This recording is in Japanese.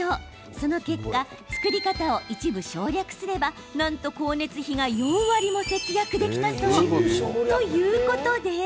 その結果作り方を一部省略すればなんと光熱費が４割も節約できたそう、ということで。